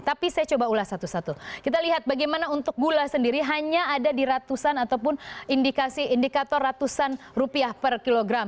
tapi saya coba ulas satu satu kita lihat bagaimana untuk gula sendiri hanya ada di ratusan ataupun indikator ratusan rupiah per kilogram